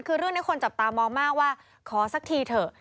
คือเรื่องนี้คนจับตามองมากว่าขอสักทีเถอะ